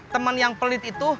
temen yang pelit itu